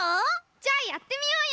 じゃあやってみようよ！